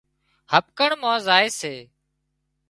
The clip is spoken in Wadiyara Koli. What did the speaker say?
هٻڪڻ مان زائي سي